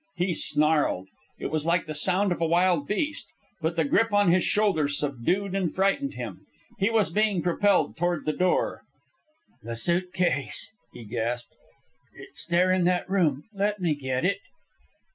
He snarled. It was like the sound of a wild beast. But the grip on his shoulder subdued and frightened him. He was being propelled toward the door. "The suit case," he gasped. "It's there in that room. Let me get it."